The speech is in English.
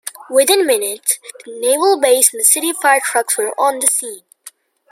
Within minutes, naval base and city fire trucks were on the scene.